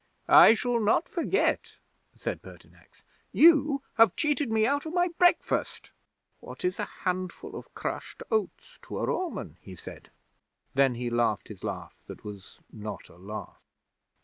'"I shall not forget," said Pertinax. "You have cheated me out of my breakfast." "What is a handful of crushed oats to a Roman?" he said. Then he laughed his laugh that was not a laugh.